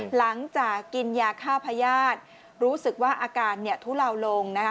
หลังจากกินยาฆ่าพญาติรู้สึกว่าอาการเนี่ยทุเลาลงนะคะ